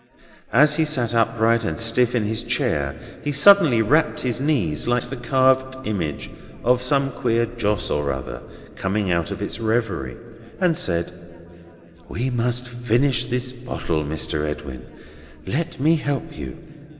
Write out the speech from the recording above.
As he sat upright and stiff in his chair, he suddenly rapped his knees, like the carved image of some queer Joss or other coming out of its reverie, and said: "We must finish this bottle, Mr. Edwin. Let me help you.